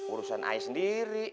urusan saya sendiri